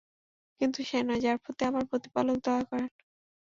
কিন্তু সে নয়, যার প্রতি আমার প্রতিপালক দয়া করেন।